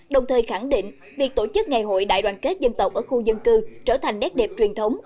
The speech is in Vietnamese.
đồng thời khẳng định việc tổ chức ngày hội đại đoàn kết dân tộc ở khu dân cư trở thành nét đẹp truyền thống